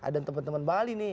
dan teman teman bang ali